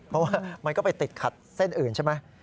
เพราะว่ามันก็ไปติดขัดเส้นอื่นใช่ไหม